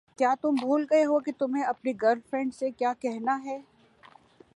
کیا تم بھول گئے ہو کہ تمہیں اپنی گرل فرینڈ سے کیا کہنا ہے؟